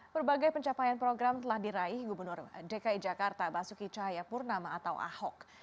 berbagai pencapaian program telah diraih gubernur dki jakarta basuki cahayapurnama atau ahok